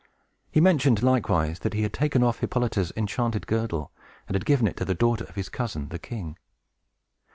He mentioned, likewise, that he had taken off Hippolyta's enchanted girdle, and had given it to the daughter of his cousin, the king.